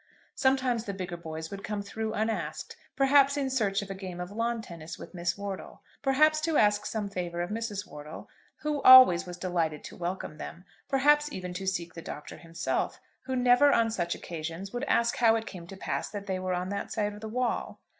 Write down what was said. Sometimes the bigger boys would come through unasked, perhaps in search of a game of lawn tennis with Miss Wortle, perhaps to ask some favour of Mrs. Wortle, who always was delighted to welcome them, perhaps even to seek the Doctor himself, who never on such occasions would ask how it came to pass that they were on that side of the wall.